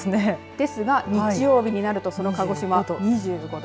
ですが日曜日になると、その鹿児島２５度。